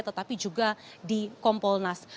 tetapi juga di kompolnas